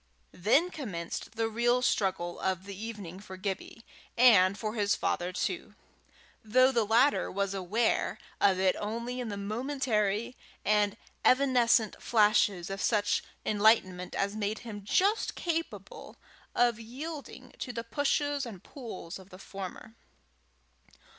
Then commenced the real struggle of the evening for Gibbie and for his father too, though the latter was aware of it only in the momentary and evanescent flashes of such enlightenment as made him just capable of yielding to the pushes and pulls of the former.